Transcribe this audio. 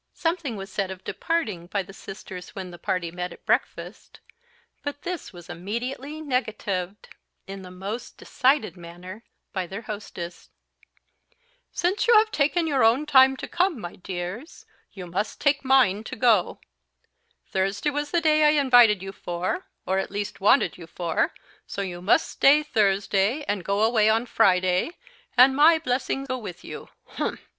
Something was said of departing by the sisters when the party met at breakfast; but this was immediately negatived in the most decided manner by their hostess. "Since you have taken your own time to come, my dears, you must take mine to go. Thursday was the day I invited you for, or at least wanted you for, so you must stay Thursday, and go away on Friday, and my blessing go with you humph!"